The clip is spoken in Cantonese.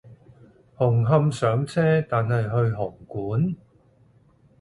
紅磡上車但係去紅館？